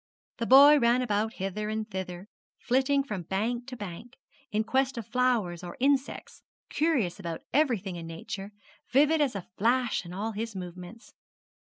The boy ran about hither and thither, flitting from bank to bank, in quest of flowers or insects, curious about everything in nature, vivid as a flash in all his movements.